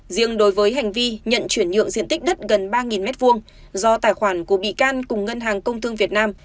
riêng đối với hành vi nhận chuyển nhượng diện tích đất gần ba m hai do tài khoản của bị can cùng ngân hàng công thương việt nam